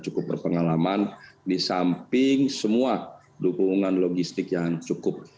cukup berpengalaman di samping semua dukungan logistik yang cukup